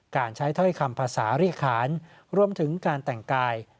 การใช้ถ้อยคำภาษารีคารรวมถึงการแต่งกาย